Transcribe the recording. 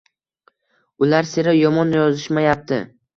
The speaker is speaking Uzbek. Ular sira yomon yozishmayapti.